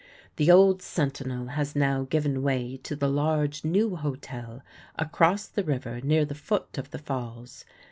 The old Sentinel has now given way to the large new hotel across the river near the foot of the falls.